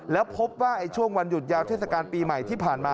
แล้วพบว่าช่วงวันหยุดยาวเทศกาลปีใหม่ที่ผ่านมา